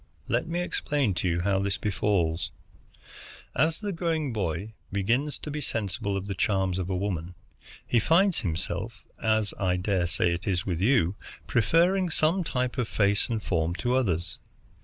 Let me explain to you how this befalls. As the growing boy begins to be sensible of the charms of woman, he finds himself, as I dare say it is with you, preferring some type of face and form to others.